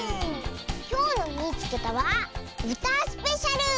きょうの「みいつけた！」はうたスペシャル！